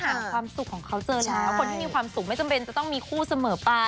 แต่ความสุขของเขาเจอแล้วคนที่มีความสุขไม่จำเป็นจะต้องมีคู่เสมอไป